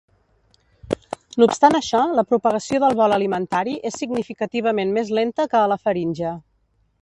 No obstant això, la propagació del bol alimentari és significativament més lenta que a la faringe.